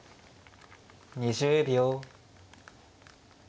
２０秒。